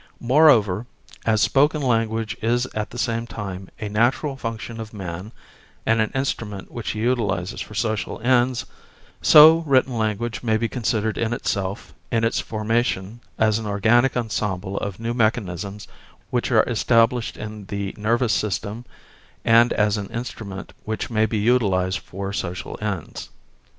Moreover, as spoken language is at the same time a natural function of man and an instrument which he utilises for social ends, so written language may be considered in itself, in its formation, as an organic ensemble of new mechanisms which are established in the nervous system, and as an instrument which may be utilised for social ends.